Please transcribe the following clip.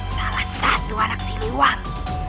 salah satu anak siliwang